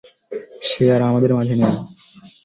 সে আর আমাদের মাঝে নেই!